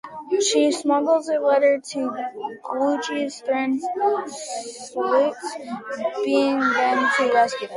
She smuggles a letter to Glaucus's friend Sallust, begging him to rescue them.